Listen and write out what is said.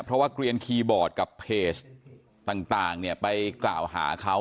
เพราะว่าเกลียนคีย์บอร์ดกับเพจต่างไปกล่าวหาเขา